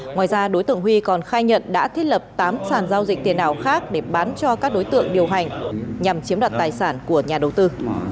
ngoài ra đối tượng huy còn khai nhận đã thiết lập tám sàn giao dịch tiền ảo khác để bán cho các đối tượng điều hành nhằm chiếm đoạt tài sản của nhà đầu tư